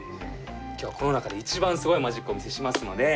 今日はこの中で一番すごいマジックをお見せしますので。